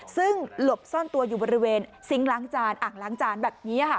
ซึ่งหลบซ่อนตัวอยู่บริเวณซิงค์ล้างจานอ่างล้างจานแบบนี้ค่ะ